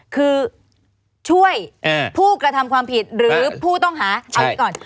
คือช่วยผู้กระทำความผิดหรือผู้ต้องหาเอาอย่างนี้ก่อน